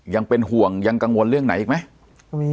ยังเป็นห่วงยังกังวลเรื่องไหนอีกไหม